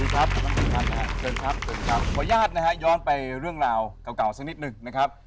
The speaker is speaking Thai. ขออนุญาตนะฮะย้อนไปเรื่องราวเก่าสักนิดนึงนะครับ